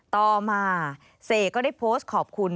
ต่อมาเสกก็ได้โพสต์ขอบคุณ